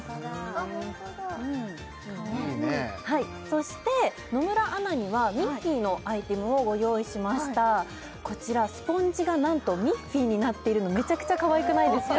ホントだかわいいそして野村アナにはミッフィーのアイテムをご用意しましたこちらスポンジがなんとミッフィーになっているのめちゃくちゃかわいくないですか？